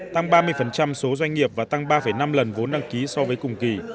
tăng ba mươi số doanh nghiệp và tăng ba năm lần vốn đăng ký so với cùng kỳ